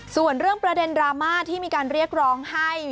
ส่วนเรื่องประเด็นดราม่าที่มีการเรียกร้องให้